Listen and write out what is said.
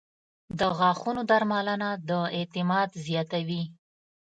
• د غاښونو درملنه د اعتماد زیاتوي.